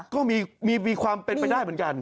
ก็มีความเป็นไปได้เหมือนกัน